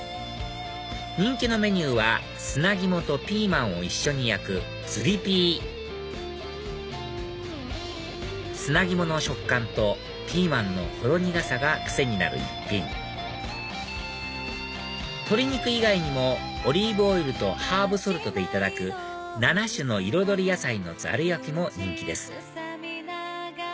人気のメニューは砂肝とピーマンを一緒に焼くずりピー砂肝の食感とピーマンのほろ苦さが癖になる一品鶏肉以外にもオリーブオイルとハーブソルトでいただく七種の彩り野菜のざる焼も人気です